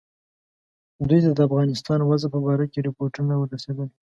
دوی ته د افغانستان وضع په باره کې رپوټونه رسېدل.